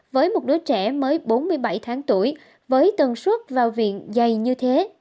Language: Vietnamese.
với một đứa trẻ mới bốn mươi bảy tháng tuổi với tầng suốt vào viện dày như thế